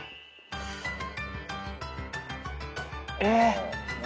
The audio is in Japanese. えっ！